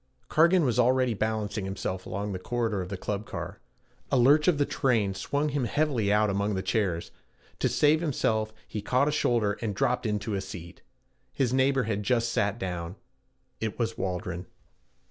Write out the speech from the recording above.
Cargan was already balancing himself along the corridor of the club car. A lurch of the train swung him heavily out among the chairs; to save himself he caught a shoulder and dropped into a seat. His neighbor had but just sat down. It was Waldron.